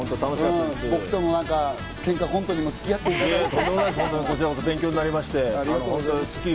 僕とのケンカコントにもつき合っていただいたり。